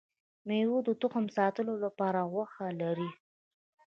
ميوه د تخم ساتلو لپاره غوښه لري